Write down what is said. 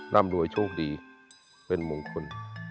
ร่ำรวยโชคดีเป็นมงคล